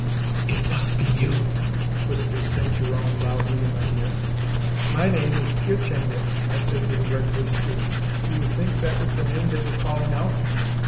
"It must be you," whispered St. Jerome loudly in my ear. "MY name is IRtenieff," I said to the red faced student. "Do you think that was the name they were calling out?"